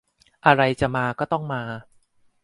อะไรจะมาต้องมา